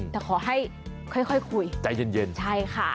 แต่ขอให้ค่อยคุยใจเย็นใช่ค่ะ